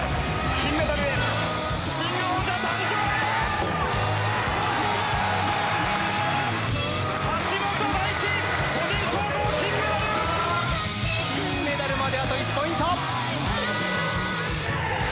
金メダルまであと１ポイント。